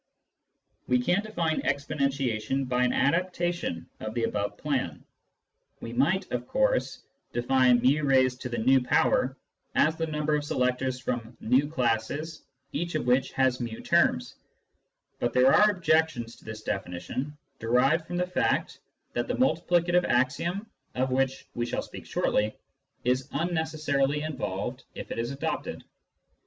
We can define exponentiation by an adaptation of the above Selections and the Multiplicative Axiom 121 plan. We might, of course, define /x" as the number of selectors from v classes, each of which has ju, terms. But there are objections to this definition, derived from the fact that the multiplicative axiom (of which we shall speak shortly) is unneces sarily involved if it is adopted.